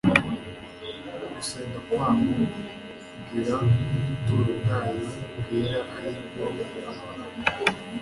gusenga kwabo kugera mu buturo bwayo bwera, ari bwo juru